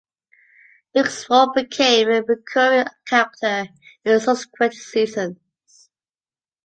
Dukes' role became a recurring character in subsequent seasons.